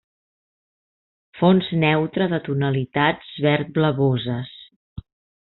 Fons neutre de tonalitats verd-blavoses.